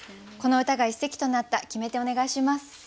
この歌が一席となった決め手お願いします。